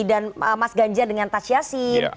dan mas ganja dengan tas yassin